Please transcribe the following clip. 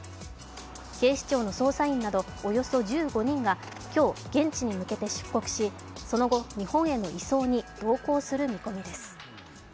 警視庁の捜査員などおよそ１５人が今日、現地に向けて出国しその後、日本への移送に同行する見込みです。